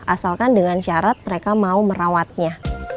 asalkan dengan syarat mereka mau merawatnya